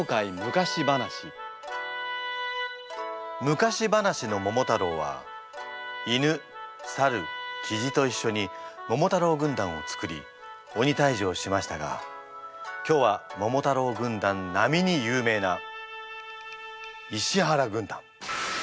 昔話の「桃太郎」は犬サルキジと一緒に桃太郎軍団を作り鬼退治をしましたが今日は桃太郎軍団なみに有名な「石原軍団」。